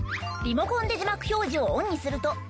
リモコンで字幕表示をオンにすると。